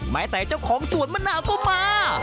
แม้แต่เจ้าของสวนมะหน่าก็มา